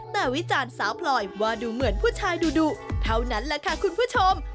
แต่วิจารณ์สาวพลอยว่าดูเหมือนผู้ชายดุเท่านั้นแหละค่ะคุณผู้ชม